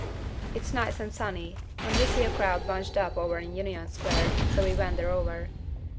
It's nice and sunny, and we see a crowd bunched up over in Union Square, so we wander over.